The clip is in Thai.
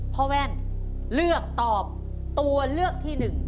แว่นเลือกตอบตัวเลือกที่๑